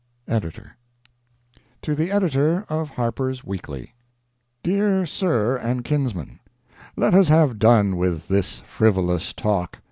Editor.) TO THE EDITOR OF HARPER'S WEEKLY: Dear Sir and Kinsman, Let us have done with this frivolous talk.